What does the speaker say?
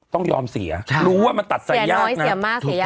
ต้องยอมเสียรู้ว่ามันตัดใส่ยากนะ